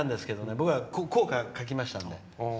僕が校歌を書きましたので。